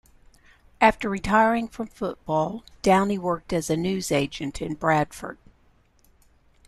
After retiring from football, Downie worked as a newsagent in Bradford.